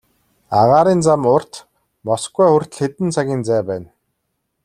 Агаарын зам урт, Москва хүртэл хэдэн цагийн зай байна.